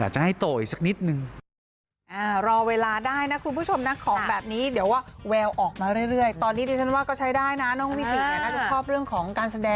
จะให้โตอีกสักนิดนึง